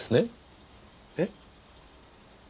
えっ？